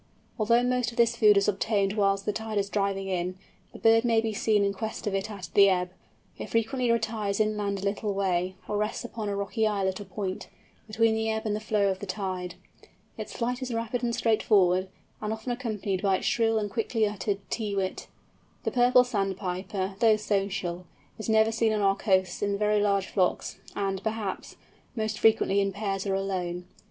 Although most of this food is obtained whilst the tide is driving in, the bird may be seen in quest of it at the ebb. It frequently retires inland a little way, or rests upon a rocky islet or point, between the ebb and the flow of the tide. Its flight is rapid and straightforward, and often accompanied by its shrill and quickly uttered tee wit. The Purple Sandpiper, though social, is never seen on our coasts in very large flocks, and, perhaps, most frequently in pairs or alone.